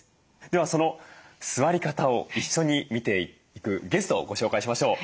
ではその座り方を一緒に見ていくゲストをご紹介しましょう。